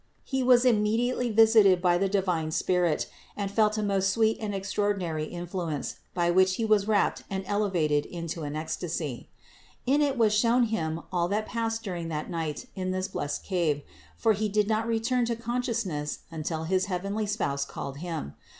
He was immediately visited by the divine Spirit and felt a most sweet and extraordinary influence, by which he was wrapt and elevated into an ecstasy. In it was shown him all that passed during that night in this blessed cave; for he did not return to con sciousness until his heavenly Spouse called him.